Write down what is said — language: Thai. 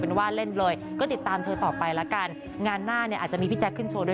ประสบความสำเร็จมากแล้ว